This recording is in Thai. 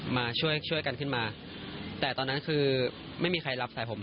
มาช่วยช่วยกันขึ้นมาแต่ตอนนั้นคือไม่มีใครรับสายผม